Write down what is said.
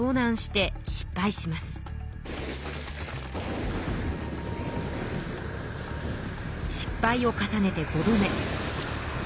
失敗を重ねて５度目。